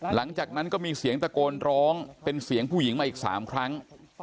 หลังจากนั้นก็มีเสียงตะโกนร้องเป็นเสียงผู้หญิงมาอีก๓ครั้ง